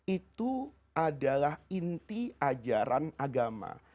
itu adalah inti ajaran agama